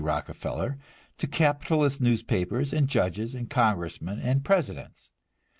Rockefeller, to capitalist newspapers and judges and congressmen and presidents.